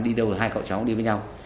đi đâu hai cậu cháu đi với nhau